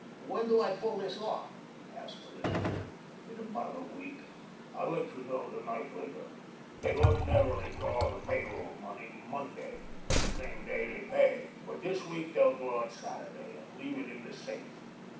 "When do I pull this off?" asked the Lizard. "In about a week. I'll let you know the night later. Dey ordinarily draw the payroll money Monday, the same day dey pay, but dis week they'll draw it Saturday and leave it in the safe.